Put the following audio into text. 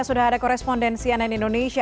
sudah ada korespondensi ann indonesia